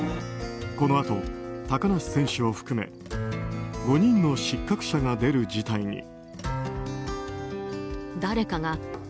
このあと、高梨選手を含め５人の失格者が出る事態に。